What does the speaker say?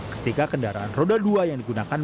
ketika kendaraan roda dua yang digunakan